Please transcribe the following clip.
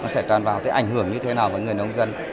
sẽ tràn vào ảnh hưởng như thế nào với người nông dân